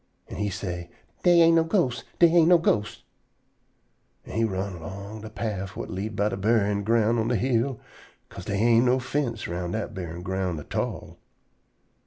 An' he say: "Dey ain't no ghosts. Dey ain't no ghosts." An' he run erlong de paff whut lead by de buryin' ground on de hill, 'ca'se dey ain't no fince eround dat buryin' ground at all.